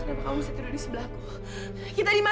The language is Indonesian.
sampai jumpa di video selanjutnya